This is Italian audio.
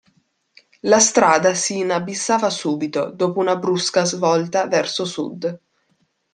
La strada si inabissava subito, dopo una brusca svolta verso Sud.